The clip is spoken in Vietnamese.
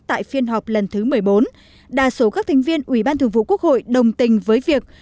tại phiên họp lần thứ một mươi bốn đa số các thành viên ủy ban thường vụ quốc hội đồng tình với việc